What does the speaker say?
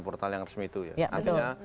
portal yang resmi itu ya artinya